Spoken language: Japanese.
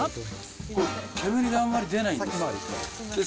これ、煙があんまり出ないんです。